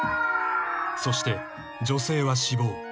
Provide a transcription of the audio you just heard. そして女性は死亡］